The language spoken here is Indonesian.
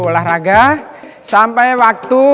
olahraga sampai waktu